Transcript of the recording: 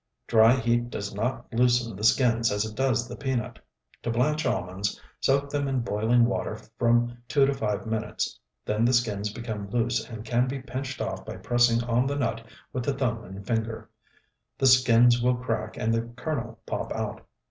Dry heat does not loosen the skins as it does the peanut. To blanch almonds, soak them in boiling water from two to five minutes; then the skins become loose and can be pinched off by pressing on the nut with the thumb and finger; the skins will crack and the kernel pop out.